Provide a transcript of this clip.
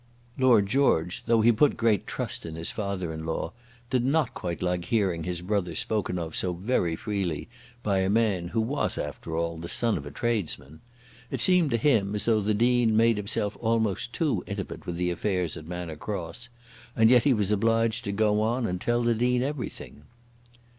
Lord George, though he put great trust in his father in law, did not quite like hearing his brother spoken of so very freely by a man who was, after all, the son of a tradesman. It seemed to him as though the Dean made himself almost too intimate with the affairs at Manor Cross, and yet he was obliged to go on and tell the Dean everything.